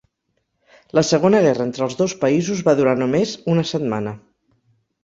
La segona guerra entre els dos països va durar només una setmana.